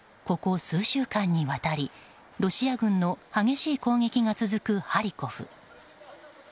ここ数週間にわたりロシア軍の激しい攻撃が続くハリコフ。